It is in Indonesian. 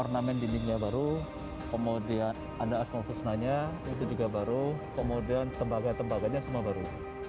ornamen dindingnya baru kemudian ada asmokusnanya itu juga baru kemudian tembaga tembaganya semua baru